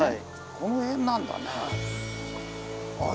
この辺なんだね。